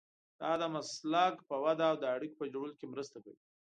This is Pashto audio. دا د مسلک په وده او د اړیکو په جوړولو کې مرسته کوي.